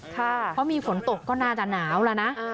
เพราะมีฝนตกก็น่าจะหนาวแล้วนะ